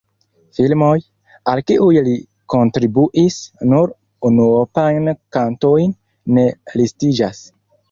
Filmoj, al kiuj li kontribuis nur unuopajn kantojn, ne listiĝas.